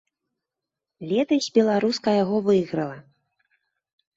Летась беларуска яго выйграла.